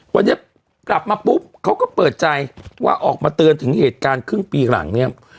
วันนี้กลับมาปุ๊บเขาก็เปิดใจว่าออกมาเตือนถึงเหตุการณ์ครึ่งปีหลังเนี่ย